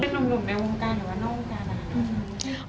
เป็นนุ่มในวงการหรือว่านอกวงการนะคะ